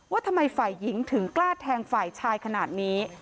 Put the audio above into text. ว่าทำไมฝ่ายหญิงถึงกล้าแทงฝ่ายชายขนาดนี้